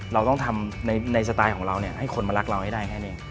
เราต้องทำในสไตล์ของเราให้คนมารักเราให้ได้แค่นี้